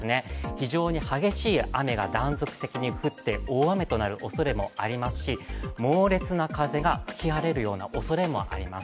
非常に激しい雨が断続的に降って、大雨となるおそれもありますし、猛烈な風が吹き荒れるようなおそれもあります。